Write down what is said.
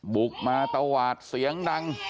บุกมาตวาดเสียงดัง